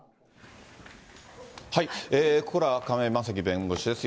ここからは、亀井正貴弁護士です。